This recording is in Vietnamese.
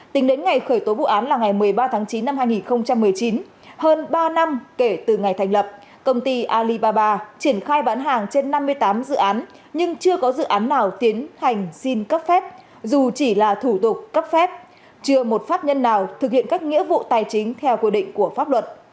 tính đến ngày khởi tố vụ án là ngày một mươi ba tháng chín năm hai nghìn một mươi chín hơn ba năm kể từ ngày thành lập công ty alibaba triển khai bán hàng trên năm mươi tám dự án nhưng chưa có dự án nào tiến hành xin cấp phép dù chỉ là thủ tục cấp phép chưa một pháp nhân nào thực hiện các nghĩa vụ tài chính theo quy định của pháp luật